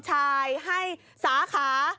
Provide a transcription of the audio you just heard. ขอบคุณครับ